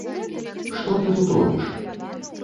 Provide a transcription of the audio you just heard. Што ты тут робіш?